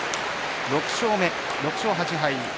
６勝目、６勝８敗。